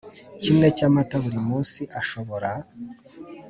Kimwe cyamata buri munsi ashobora